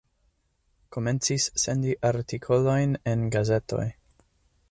Komencis sendi artikolojn en gazetoj.